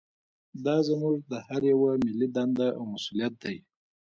دا زموږ د هر یوه ملي دنده او مسوولیت دی